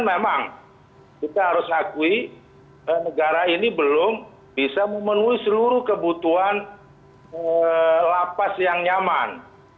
memang kita harus akui negara ini belum bisa memenuhi seluruh kebutuhan lapas yang nyaman